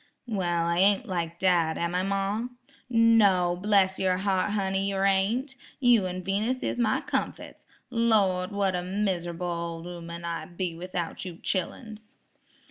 "Well, I ain't like dad, am I, ma?" "No, bless yer heart, honey; yer ain't. You an' Venus is my comfits. Lawd, what a mis'able ol' 'ooman I'd be without you chilluns."